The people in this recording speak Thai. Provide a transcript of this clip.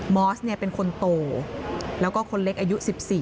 อสเป็นคนโตแล้วก็คนเล็กอายุ๑๔